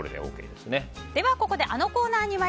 ここであのコーナー。